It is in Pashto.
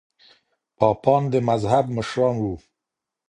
پاپان د مذهب مشران وو.